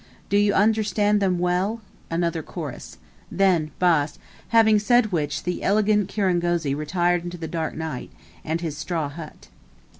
Do you understand them well? (another chorus); then Bas;" having said which, the eloquent kirangozi retired into the dark night, and his straw hut.